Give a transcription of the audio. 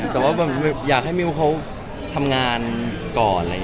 แต่ว่าอยากให้มิวเขาทำงานก่อน